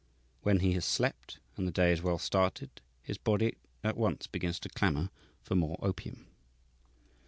When he has slept, and the day is well started, his body at once begins to clamour for more opium.